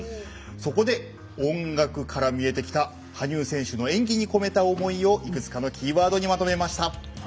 そこで音楽から見えてきた羽生選手の演技に込めた思いをいくつかのキーワードにまとめました。